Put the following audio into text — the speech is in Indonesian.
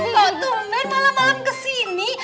kok tuh main malam malam ke sini